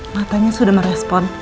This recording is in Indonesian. matanya sudah merespon